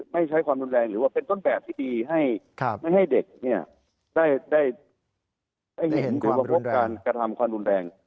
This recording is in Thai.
ไม่ใช้ความรุนแรงหรือว่าเป็นต้นแบบที่ดีให้เด็กเนี่ยได้เห็นคุณประพบการกระทำความรุนแรง